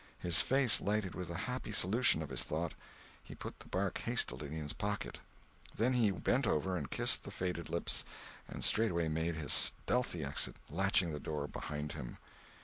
His face lighted with a happy solution of his thought; he put the bark hastily in his pocket. Then he bent over and kissed the faded lips, and straightway made his stealthy exit, latching the door behind him.